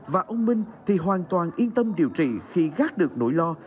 và ông minh thì hoàn toàn yên tâm điều trị khi gác được nỗi lo